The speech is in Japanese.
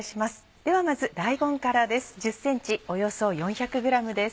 ではまず大根からです。